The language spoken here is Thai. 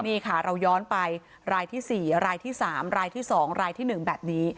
นี่ค่ะเราย้อนไปรายที่สี่รายที่สามรายที่สองรายที่หนึ่งแบบนี้